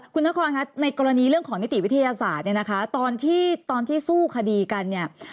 คุณนครในกรณีเรื่องของนิติวิทยาศาสตร์ตอนที่สู้คดีกัน